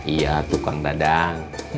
iya tukang dadang